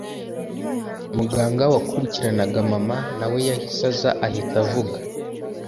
Muganga wakurikiranaga mama nawe yahise aza ahita avuga